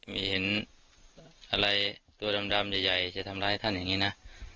ไม่เห็นอะไรตัวดำใหญ่จะทำร้ายท่านอย่างนี้นะ